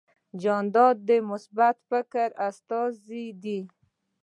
جانداد د مثبت فکر استازی دی.